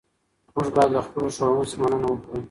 موږ باید له خپلو ښوونکو څخه مننه وکړو.